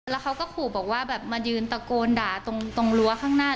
แล้วเขาก็ขู่บอกว่าแบบมายืนตะโกนด่าตรงรั้วข้างหน้า